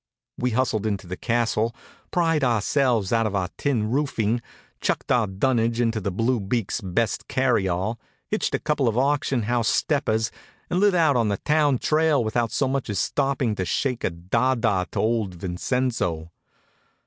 We hustled into the castle, pried ourselves out of our tin roofing, chucked our dunnage into old Blue Beak's best carryall, hitched a couple of auction house steppers, and lit out on the town trail without so much as stopping to shake a da da to old Vincenzo.